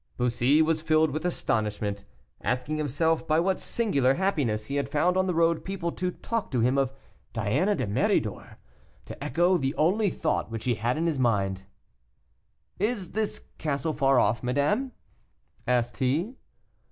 Bussy was filled with astonishment, asking himself by what singular happiness he found on the road people to talk to him of Diana de Méridor to echo the only thought which he had in his mind. "Is this castle far off, madame?" asked he.